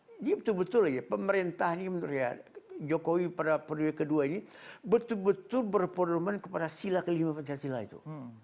ini betul betul aja pemerintah ini menurut ya jokowi pada periode kedua ini betul betul berperluan kepada sila kelima pancasila itu